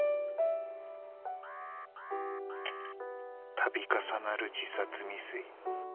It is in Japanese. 「度重なる自殺未遂。